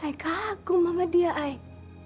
saya kagum sama dia ayah